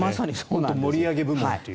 盛り上げ部門っていう。